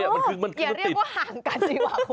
อย่าเรียกว่าห่างกันสิวะ